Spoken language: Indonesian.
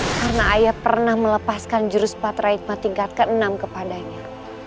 karena ayah pernah melepaskan jurus patriikma tingkat ke enam kepadanya